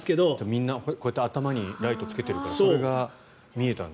みんな頭にライトつけているからそれが見えたんだ。